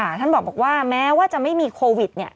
ท่านบอกว่าแม้ว่าจะไม่มีโควิดเนี่ย